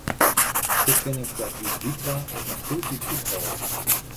Hoe kin it dat just dy twa it noch hieltyd úthâlde?